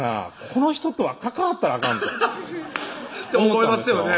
この人とは関わったらあかんとって思いますよね